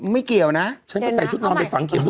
ไม่เกี่ยวนะ